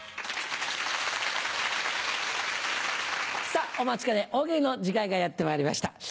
さぁお待ちかね大喜利の時間がやってまいりました。